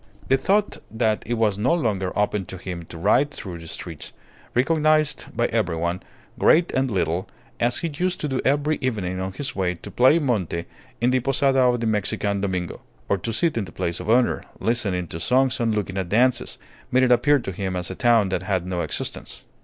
The thought that it was no longer open to him to ride through the streets, recognized by everyone, great and little, as he used to do every evening on his way to play monte in the posada of the Mexican Domingo; or to sit in the place of honour, listening to songs and looking at dances, made it appear to him as a town that had no existence.